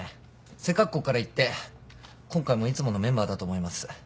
背格好からいって今回もいつものメンバーだと思います。